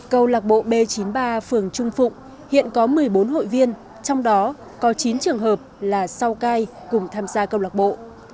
câu lạc bộ b chín mươi ba phường trung phụng hiện có một mươi bốn hội viên trong đó có chín trường hợp là sau cai cùng tham gia câu lạc bộ